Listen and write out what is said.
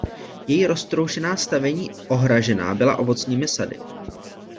Její roztroušená stavení ohražená byla ovocnými sady.